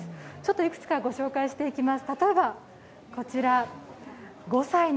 いくつかご紹介していきます。